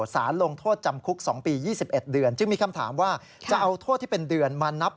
ศาลลงโทษจำคุก๒ปี๒๑เดือน